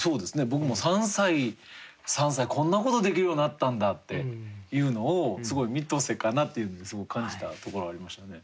僕も３歳３歳こんなことできるようになったんだっていうのを「三歳かな」っていうのですごく感じたところありましたね。